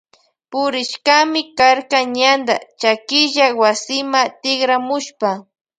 Purishkami karka ñanta chakilla wasima tikramushpa.